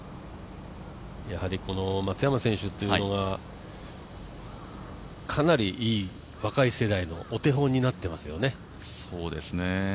松山選手というのがかなりいい若い世代のお手本になってますよね。